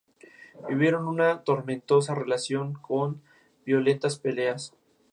Vivieron una tormentosa relación con violentas peleas.